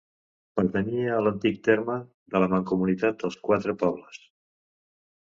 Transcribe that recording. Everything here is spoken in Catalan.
Pertanyia a l'antic terme de la Mancomunitat dels Quatre Pobles.